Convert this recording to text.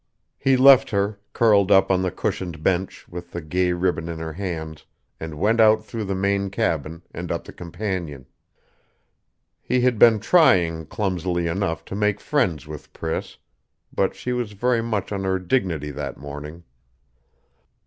He left her, curled up on the cushioned bench, with the gay ribbon in her hands, and went out through the main cabin, and up the companion. He had been trying, clumsily enough, to make friends with Priss; but she was very much on her dignity that morning....